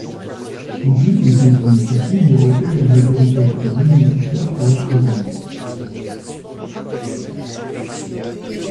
Aucune des deux initiatives ne recueille la majorité absolue nécessaire pour être valide.